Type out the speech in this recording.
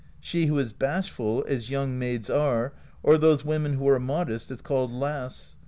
She who is bashful, as young maids are, or those women who are modest, is called Lass.